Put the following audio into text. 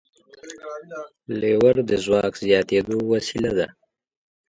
لیور د ځواک د زیاتېدو وسیله ده.